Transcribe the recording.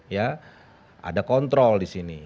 ya ada kontrol disini